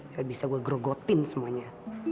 biar bisa gua grogotin semuanya